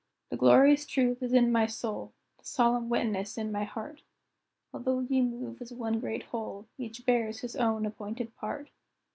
The glorious truth is in my soul, The solemn witness in my heart Although ye move as one great whole, Each bears his own appointed part."